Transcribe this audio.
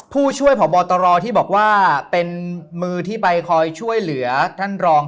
ผู้ช่วยผอบตรที่บอกว่าเป็นมือที่ไปคอยช่วยเหลือท่านรอง